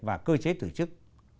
và cơ chế tử chức